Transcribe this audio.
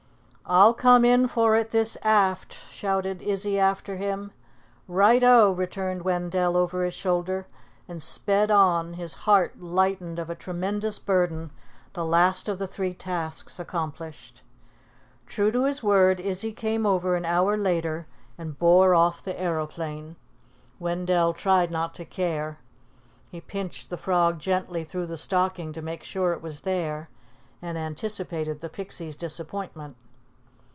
"I'll come in for it this aft.," shouted Izzy after him. "Right o," returned Wendell over his shoulder, and sped on, his heart lightened of a tremendous burden, the last of the three tasks accomplished. True to his word, Izzy came over an hour later and bore off the aeroplane. Wendell tried not to care. He pinched the frog gently through the stocking to make sure it was there, and anticipated the Pixie's disappointment.